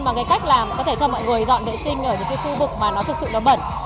bằng cách làm có thể cho mọi người dọn vệ sinh ở những khu vực mà nó thực sự bẩn